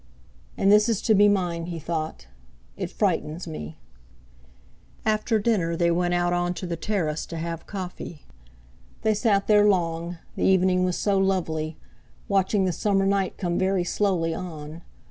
"And this is to be mine!" he thought. "It frightens me!" After dinner they went out on to the terrace to have coffee. They sat there long, the evening was so lovely, watching the summer night come very slowly on.